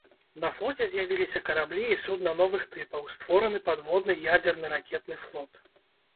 На флоце з'явіліся караблі і судна новых тыпаў, створаны падводны ядзерны ракетны флот.